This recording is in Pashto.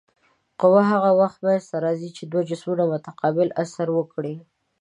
قوه هغه وخت منځته راځي چې دوه جسمونه متقابل اثر وکړي.